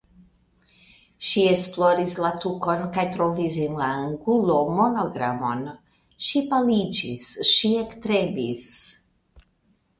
Ŝi esploris la tukon kaj trovis en la angulo monogramon; ŝi paliĝis, ŝi ektremis.